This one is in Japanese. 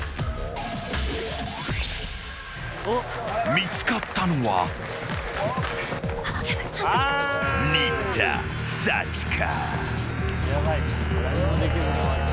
見つかったのは新田さちか。